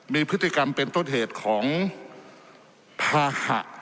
มีพฤติกรรมเป็นต้นเหตุของภาหะ